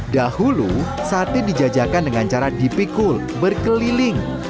dahulu sate dijajakan dengan cara dipikul berkeliling